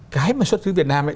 cái mà xuất xứ việt nam ấy